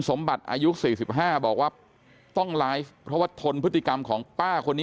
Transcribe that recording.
สมบัติอายุ๔๕บอกว่าต้องไลฟ์เพราะว่าทนพฤติกรรมของป้าคนนี้